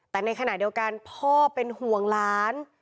แต่ในขณะเดียวกันพ่อเป็นห่วงหลาน